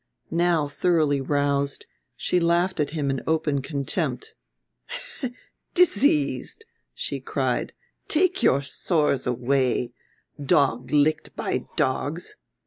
Now, thoroughly roused, she laughed at him in open contempt. "Diseased," she cried, "take your sores away! Dog licked by dogs.